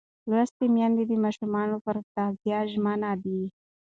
لوستې میندې د ماشوم پر تغذیه ژمنه ده.